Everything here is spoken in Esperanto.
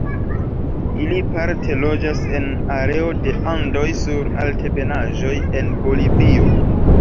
Ili parte loĝas en areo de Andoj sur altebenaĵoj en Bolivio.